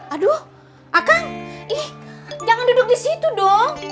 aduh akang jangan duduk di situ dong